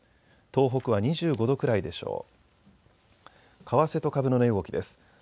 東北は２５度くらいでしょう。